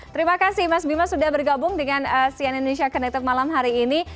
terima kasih mas bima sudah bergabung dengan cn indonesia connected malam hari ini